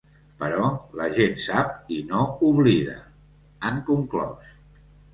Però la gent sap i no oblida, han conclòs.